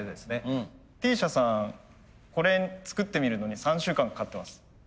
Ｔ社さんこれ作ってみるのに３週間かかってます。